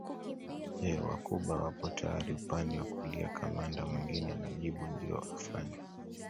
Je Wacuba wapo tayari upande wa kulia kamanda mwingine anajibu ndio afande